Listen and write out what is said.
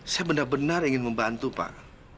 saya benar benar ingin membantu pak